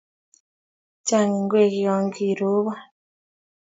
Chang' ngwek ya kirobon